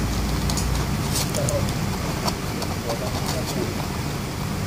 Daraufhin hätte sich der Vorgang wiederholt.